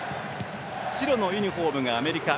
白のユニフォームがアメリカ。